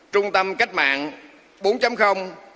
trung tâm cách mạng